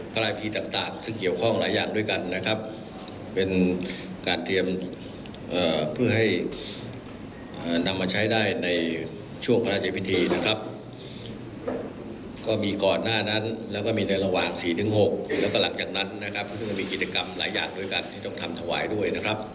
ประหลังจากนั้นจะมีกิจกรรมหลายอย่างที่ต้องทำถวายด้วย